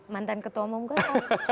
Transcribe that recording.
mantan ketua monggo atau